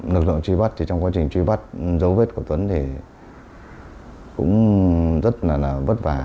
lực lượng truy bắt trong quá trình truy bắt giấu vết của tuấn thì cũng rất là bất vả